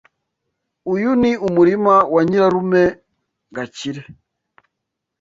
Uyu ni umurima wa nyirarume Gakire.